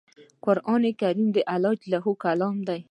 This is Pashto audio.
قرآن کریم د الله ج کلام دی